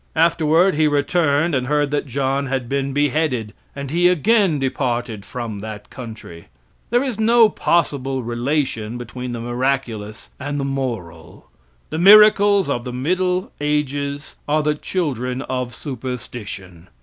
Afterward he returned and heard that John had been beheaded, and he again departed from that country. There is no possible relation between the miraculous and the moral. The miracles of the middle ages are the children of superstition.